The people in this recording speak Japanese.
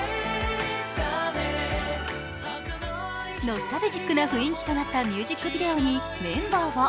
ノスタルジックな雰囲気となったミュージックビデオにメンバーは